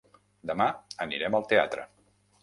Demà anirem al teatre.